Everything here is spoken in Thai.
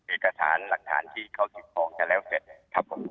เอกสารหลักฐานที่เขาเก็บของจะแล้วเสร็จครับผม